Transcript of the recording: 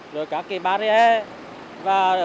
rồi các cái thiết bị như camera máy đọc